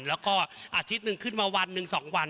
แล้วก็อาทิตย์หนึ่งขึ้นมาวันหนึ่ง๒วัน